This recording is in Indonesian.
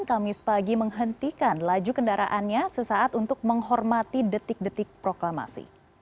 kamis pagi menghentikan laju kendaraannya sesaat untuk menghormati detik detik proklamasi